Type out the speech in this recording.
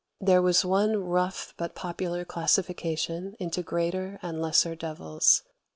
There was one rough but popular classification into greater and lesser devils.